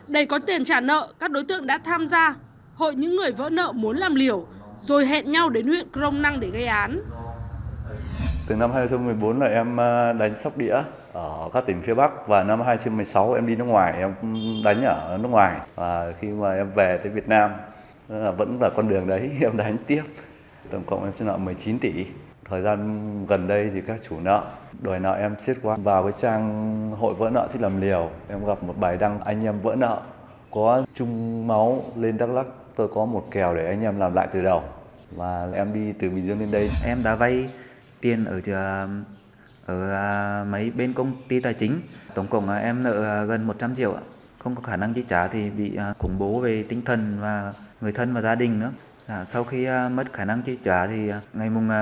để có tiền trả nợ các đối tượng đã tham gia hội những người vỡ nợ muốn làm liều rồi hẹn nhau đến huyện crong năng để gây án